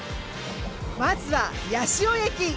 まずは八潮駅。